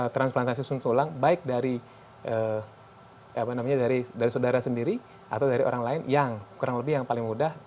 transplantasi sum tulang baik dari saudara sendiri atau dari orang lain yang kurang lebih yang paling mudah